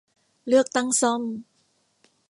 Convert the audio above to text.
เลือกตั้งซ่อม